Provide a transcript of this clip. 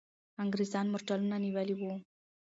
انګریزان مرچلونه نیولي وو.